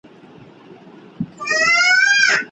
په لاس لیکل د ښو اړیکو د ساتلو لاره ده.